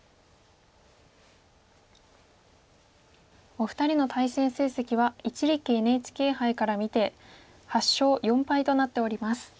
お二人の対戦成績は一力ＮＨＫ杯から見て８勝４敗となっております。